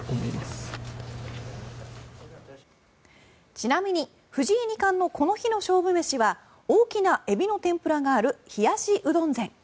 ちなみに藤井二冠のこの日の勝負飯は大きなエビの天ぷらがある冷やしうどん膳。